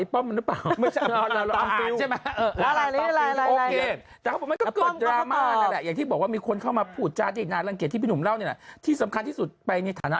เพราะว่าพี่อ่านฉันรู้สึกอีกอย่าง